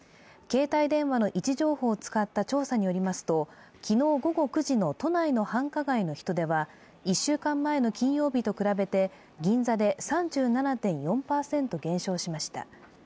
携帯電話の位置情報を使った調査によりますと昨日午後９時の都内の繁華街の人出は、１週間前の金曜日と比べて、銀座で３７．４％減少しました。